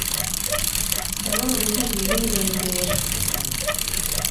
ndabona ubuhiri bunembera